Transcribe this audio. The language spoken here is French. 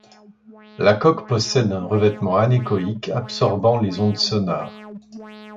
La coque possède un revêtement anéchoïque absorbant les ondes sonar.